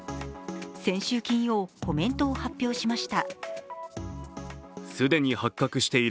先週金曜、コメントを発表しました